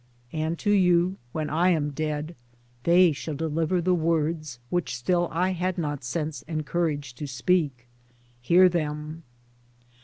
And to you, when I am dead, they shall deliver the words which still I had not sense and courage to speak. Hear them.